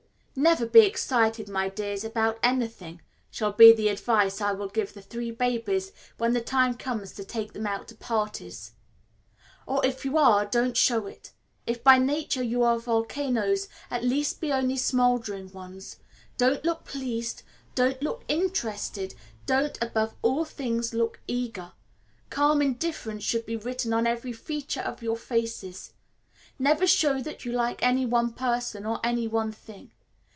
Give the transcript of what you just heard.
"Never be excited, my dears, about anything," shall be the advice I will give the three babies when the time comes to take them out to parties, "or, if you are, don't show it. If by nature you are volcanoes, at least be only smouldering ones. Don't look pleased, don't look interested, don't, above all things, look eager. Calm indifference should be written on every feature of your faces. Never show that you like any one person, or any one thing.